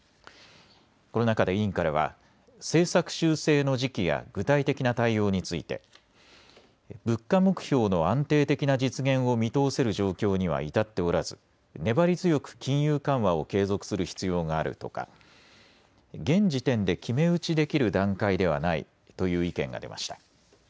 この中で委員からは政策修正の時期や具体的な対応について物価目標の安定的な実現を見通せる状況には至っておらず粘り強く金融緩和を継続する必要があるとか現時点で決め打ちできる段階ではないという意見が出ました。